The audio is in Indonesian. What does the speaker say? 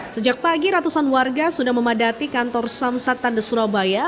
sejak pagi ratusan warga sudah memadati kantor samsat tanda surabaya